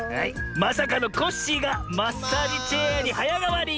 まさかのコッシーがマッサージチェアにはやがわり！